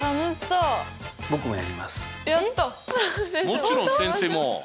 もちろん先生も！